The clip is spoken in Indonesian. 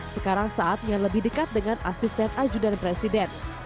sekarang saatnya lebih dekat dengan asisten ajudan presiden